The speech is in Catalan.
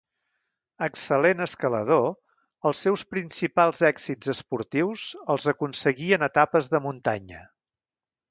Excel·lent escalador, els seus principals èxits esportius els aconseguí en etapes de muntanya.